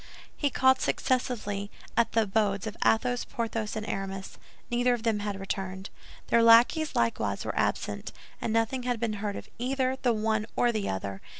He called successively at the abodes of Athos, Porthos, and Aramis. Neither of them had returned. Their lackeys likewise were absent, and nothing had been heard of either the one or the other.